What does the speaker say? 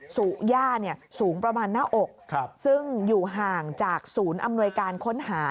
สู่ย่าสูงประมาณหน้าอกซึ่งอยู่ห่างจากศูนย์อำนวยการค้นหา